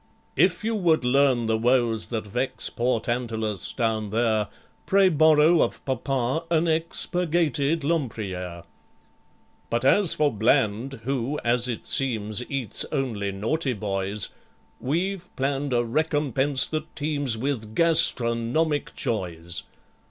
("If you would learn the woes that vex Poor TANTALUS, down there, Pray borrow of Papa an ex Purgated LEMPRIERE.) "But as for BLAND who, as it seems, Eats only naughty boys, We've planned a recompense that teems With gastronomic joys.